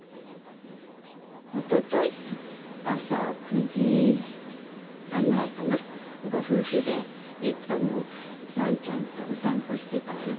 おととい朝９時半ぐらいかな、ご夫婦でワンちゃんとお散歩してたわよ。